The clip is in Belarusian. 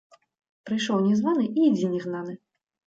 Прыйшоў не званы і ідзі не гнаны